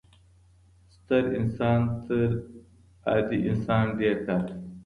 ستر انسان تر عادي انسان ډیر کار کوي.